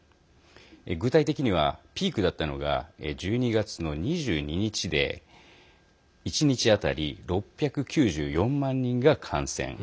具体的にはピークだったのが１２月の２２日で１日当たり６９４万人が感染。